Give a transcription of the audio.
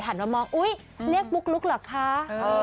มามองอุ๊ยเรียกมุกลุกเหรอคะ